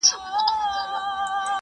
ایا د انارګل ژوند به په کيږدۍ کې ښه شي؟